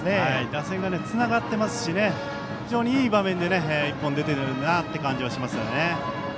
打線がつながっていますし非常にいい場面で１本出ている感じですね。